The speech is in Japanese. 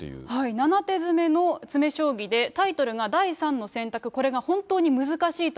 ７手詰めの詰め将棋で、タイトルが、第三の選択、これが本当に難しいと